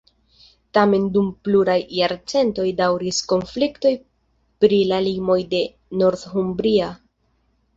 Tamen dum pluraj jarcentoj daŭris konfliktoj pri la limoj de Northumbria.